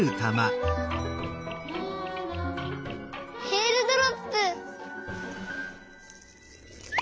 えーるドロップ！